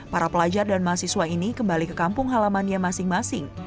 para pelajar dan mahasiswa ini kembali ke kampung halamannya masing masing